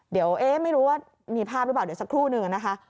เดี๋ยวไม่รู้ว่ามีภาพหรือเปล่าเดี๋ยวสักครู่หนึ่งนะคะ